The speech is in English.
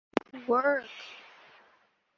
Work!